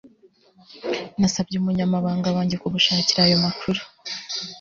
Nasabye umunyamabanga wanjye kugushakira ayo makuru